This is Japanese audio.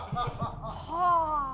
はあ！